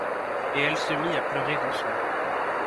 Et elle se mit à pleurer doucement.